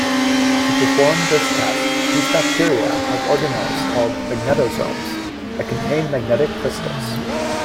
To perform this task, these bacteria have organelles called magnetosomes that contain magnetic crystals.